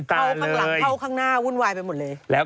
เข้าข้างหลังเข้าข้างหน้าวุ่นวายไปหมดเลย